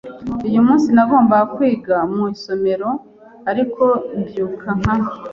Uyu munsi, nagombaga kwiga mu isomero ariko mbyuka nka .